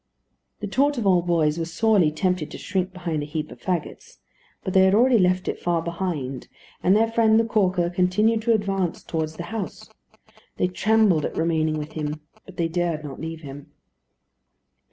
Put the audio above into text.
The Torteval boys were sorely tempted to shrink behind the heap of fagots, but they had already left it far behind; and their friend the caulker continued to advance towards the house. They trembled at remaining with him; but they dared not leave him.